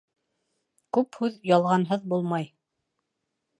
Күп һүҙ ялғанһыҙ булмай.